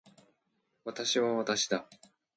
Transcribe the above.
私は私だ